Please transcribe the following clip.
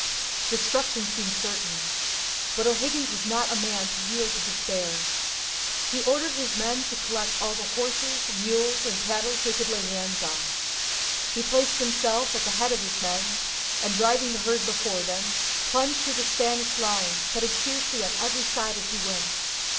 Destruction seemed certain. But O'Higgins was not a man to yield to despair. He ordered his men to collect all the horses, mules, and cattle they could lay hands on. He placed himself at the head of his men, and driving the herd before him, plunged through the Spanish lines, cutting fiercely on every side as he went.